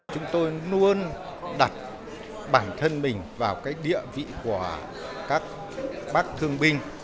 chúng tôi luôn đặt bản thân mình vào cái địa vị của các bác thương binh